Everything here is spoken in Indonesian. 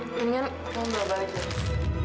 mendingan kamu bawa balik res